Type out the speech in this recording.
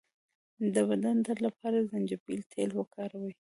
د بدن درد لپاره د زنجبیل تېل وکاروئ